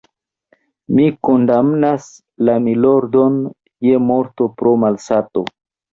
Mi kondamnas la _milordon_ je morto pro malsato.